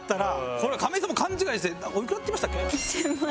これ亀井さんも勘違いしておいくらって言いましたっけ？